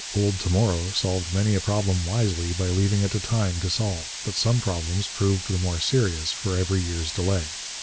'Old To Morrow' solved many a problem wisely by leaving it to time to solve, but some problems proved the more serious for every year's delay.